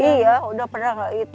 iya udah pernah nggak itu